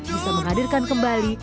bisa menghadirkan kembali